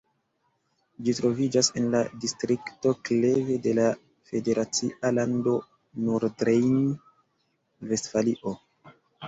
Ĝi troviĝas en la distrikto Kleve de la federacia lando Nordrejn-Vestfalio.